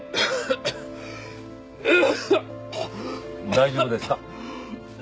大丈夫ですか？